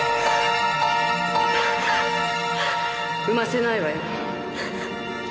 産ませないわよ。